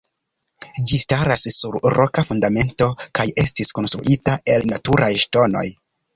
Ĝi staras sur roka fundamento kaj estis konstruita el naturaj ŝtonoj.